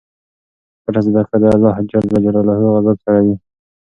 پټه صدقه د اللهﷻ غضب سړوي.